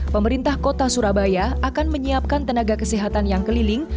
pemerintah kota surabaya akan menyiapkan tenaga kesehatan yang keliling